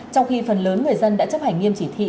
trong khi phần lớn người dân đã chấp hành nghiêm chỉ thị